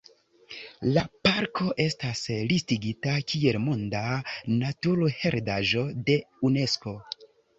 La parko estas listigita kiel Monda Naturheredaĵo de Unesko.